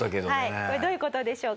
これどういう事でしょうか？